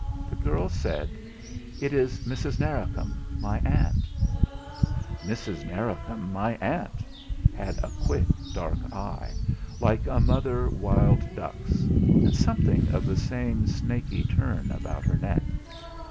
The girl said: "It is Mrs. Narracombe, my aunt." "Mrs. Narracombe, my aunt," had a quick, dark eye, like a mother wild duck's, and something of the same snaky turn about her neck.